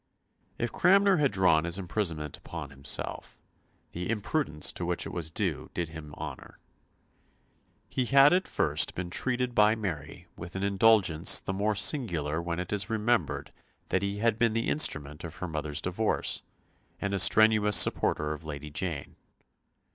If Cranmer had drawn his imprisonment upon himself, the imprudence to which it was due did him honour. He had at first been treated by Mary with an indulgence the more singular when it is remembered that he had been the instrument of her mother's divorce, and a strenuous supporter of Lady Jane.